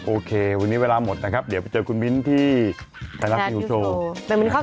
โอเคสดชื่นค่ะนะครับ